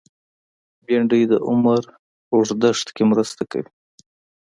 بېنډۍ د عمر اوږدښت کې مرسته کوي